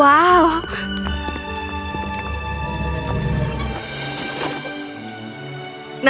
nah doakan aku beruntung ya